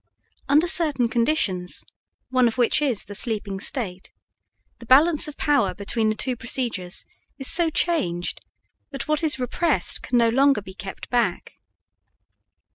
Under certain conditions, one of which is the sleeping state, the balance of power between the two procedures is so changed that what is repressed can no longer be kept back.